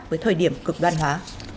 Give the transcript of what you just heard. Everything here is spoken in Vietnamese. với thời điểm cực đoan hóa